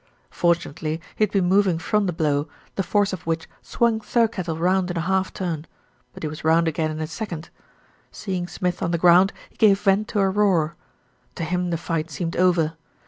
Fortunately he had been moving from the blow, the force of which swung Thirkettle round in a half turn; but he was round again in a second. Seeing Smith on the ground, he gave vent to a roar. To him the fight seemed over.